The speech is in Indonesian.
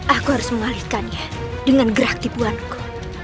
aku harus mengalihkannya dengan gerak tipuanku